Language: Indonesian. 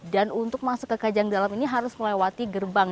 dan untuk masuk ke kajang dalam ini harus melewati gerbang